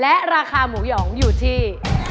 และราคาหมูหยองอยู่ที่